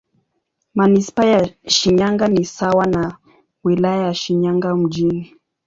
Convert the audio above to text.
Manisipaa ya Shinyanga ni sawa na Wilaya ya Shinyanga Mjini.